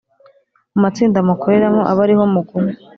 Mu matsinda mukoreramo abe ari ho muguma